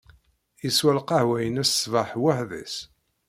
Yeswa lqahwa-ines ṣṣbeḥ weḥd-s.